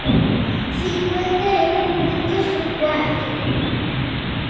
Cincuenta e un puntos nun cuarto.